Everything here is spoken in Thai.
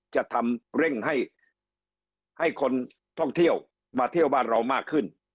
จะทำเร่งให้คนท่องเที่ยวมาเที่ยวบ้านเรามากขึ้น